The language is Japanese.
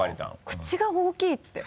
「口が大きい」って。